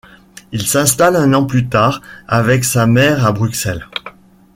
Il s'installe un an plus tard avec sa mère à Bruxelles.